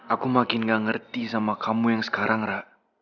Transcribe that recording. aku makin gak ngerti sama kamu yang sekarang ra